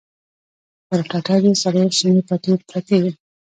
پر ټټر يې څلور شنې پټې پرتې وې.